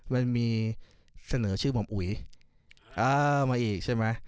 มันมีเสนอชื่อผมอุ๋ยมาอีกใช่ไหม